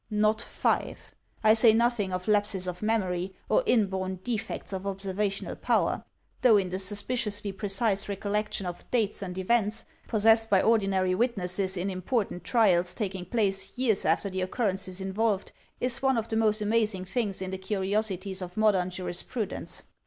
"Not five. I say nothing of lapses of memory, or inborn defects 270 THE TECHNIQUE OF THE MYSTERY STORY of observational power — ^though in the suspiciously precise recol lection of dates and events possessed by ordinary witnesses in im portant trials taking place years after the occurrences involved, is one of the most amazing things in the curiosities of modem jurispru dence.